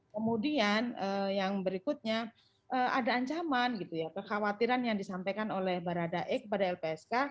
kemudian yang berikutnya ada ancaman gitu ya kekhawatiran yang disampaikan oleh baradae kepada lpsk